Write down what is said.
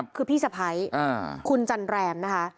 คือพิษภัยคุณจันเรมนะคะ